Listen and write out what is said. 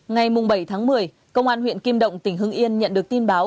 ngày bảy tháng một mươi công an huyện kim động tỉnh hưng yên nhận được tin báo